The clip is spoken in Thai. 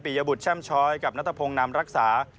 ปียบุชแชมพ์ชอยกับเนื้อทะพงศ์นำรักษา